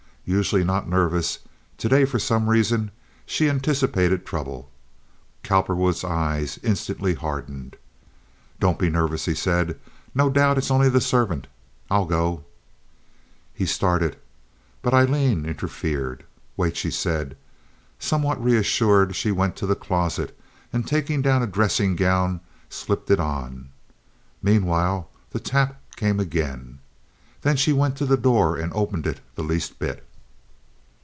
Usually not nervous, to day, for some reason, she anticipated trouble. Cowperwood's eyes instantly hardened. "Don't be nervous," he said, "no doubt it's only the servant. I'll go." He started, but Aileen interfered. "Wait," she said. Somewhat reassured, she went to the closet, and taking down a dressing gown, slipped it on. Meanwhile the tap came again. Then she went to the door and opened it the least bit.